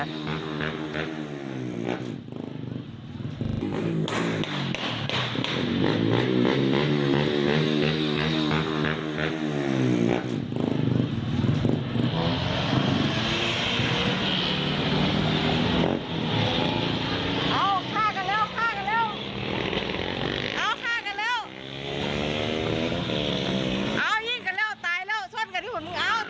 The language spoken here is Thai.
กลับไปปล่อยมัน